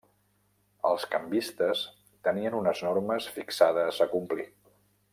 Els canvistes tenien unes normes fixades a complir.